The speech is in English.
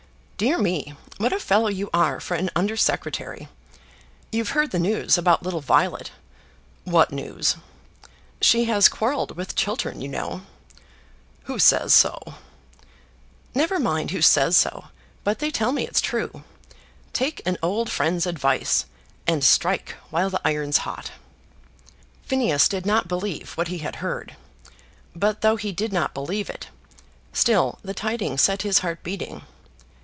"Dear me, what a fellow you are for an Under Secretary! You've heard the news about little Violet." "What news?" "She has quarrelled with Chiltern, you know." "Who says so?" "Never mind who says so, but they tell me it's true. Take an old friend's advice, and strike while the iron's hot." Phineas did not believe what he had heard, but though he did not believe it, still the tidings set his heart beating.